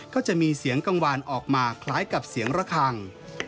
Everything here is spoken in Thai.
ก็จะมีเสียงกังวานออกมาคล้ายกับเสียงระคัง